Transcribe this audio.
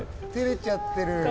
照れちゃってる。